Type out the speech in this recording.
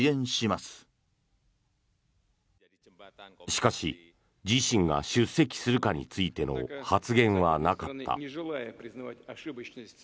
しかし自身が出席するかについての発言はなかった。